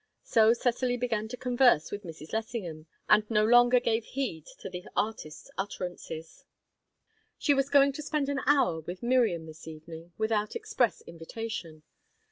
So Cecily began to converse with Mrs. Lessingham, and no longer gave heed to the artist's utterances. She was going to spend an hour with Miriam this evening, without express invitation.